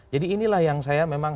jadi inilah yang saya memang